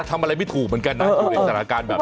ทำอะไรไม่ถูกเหมือนกันนะอยู่ในสถานการณ์แบบนี้